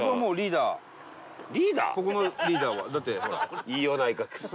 ここのリーダーはだって。